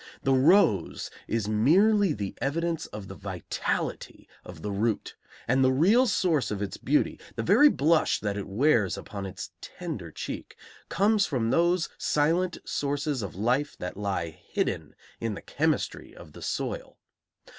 The rose is merely the evidence of the vitality of the root; and the real source of its beauty, the very blush that it wears upon its tender cheek, comes from those silent sources of life that lie hidden in the chemistry of the soil.